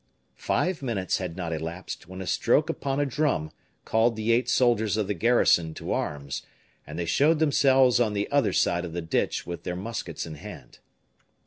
Five minutes had not elapsed, when a stroke upon a drum called the eight soldiers of the garrison to arms, and they showed themselves on the other side of the ditch with their muskets in hand.